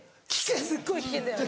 すっごい危険だよね。